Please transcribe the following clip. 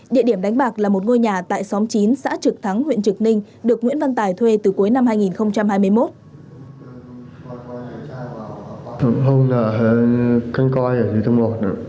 địa điểm đánh bạc là một ngôi nhà tại xóm chín xã trực thắng huyện trực ninh được nguyễn văn tài thuê từ cuối năm hai nghìn hai mươi một